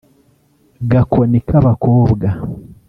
Gakoni k’abakobwa